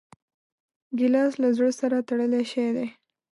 ګیلاس له زړه سره تړلی شی دی.